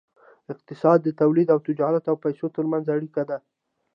اقتصاد د تولید او تجارت او پیسو ترمنځ اړیکه ده.